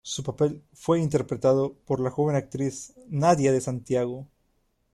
Su papel fue interpretado por la joven actriz Nadia de Santiago.